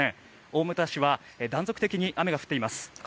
大牟田市は断続的に雨が降っています。